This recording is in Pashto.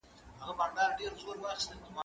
زه کولای سم پاکوالي وساتم؟!